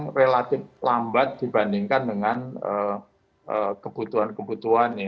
proses permajaan kita itu memang relatif lambat dibandingkan dengan kebutuhan kebutuhan ya